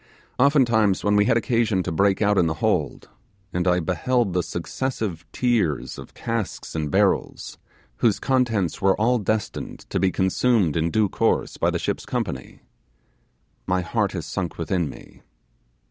Oftentimes, when we had occasion to break out in the hold, and I beheld the successive tiers of casks and barrels, whose contents were all destined to be consumed in due course by the ship's company, my heart has sunk within me.